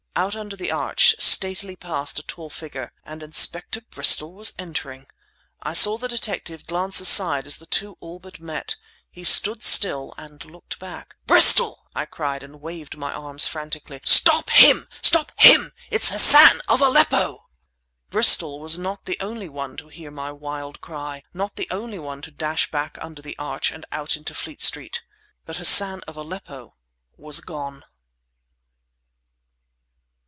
Out under the arch, statelily passed a tall figure—and Inspector Bristol was entering! I saw the detective glance aside as the two all but met. He stood still, and looked back! "Bristol!" I cried, and waved my arms frantically. "Stop him! Stop him! It's Hassan of Aleppo!" Bristol was not the only one to hear my wild cry—not the only one to dash back under the arch and out into Fleet Street. But Hassan of Aleppo was gone!